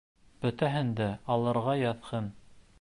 Бөтәһен дә алырға яҙһын!